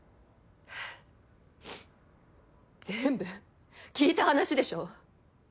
全部聞いた話でしょ。